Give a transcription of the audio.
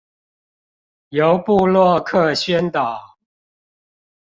由部落客宣導